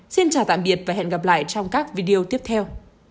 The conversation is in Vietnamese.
xin chào tạm biệt và hẹn gặp lại trong các video tiếp theo